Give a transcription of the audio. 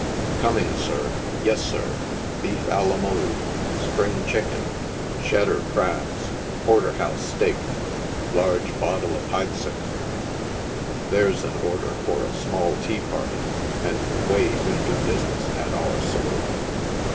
Coming, sir— yes, sir — Beef a la mode, spring chicken, She der crabs, Porter House steak, large bottle of Heidsick. There's an order for a small tea party, and the way we do business at our saloon.